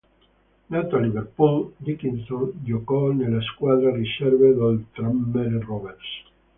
Nato a Liverpool, Dickinson giocò nella squadra riserve del Tranmere Rovers.